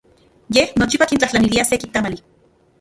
Ye nochipa kintlajtlanilia seki tamali.